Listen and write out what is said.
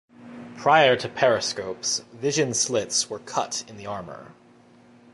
Prior to periscopes, vision slits were cut in the armour.